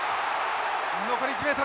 残り１ｍ。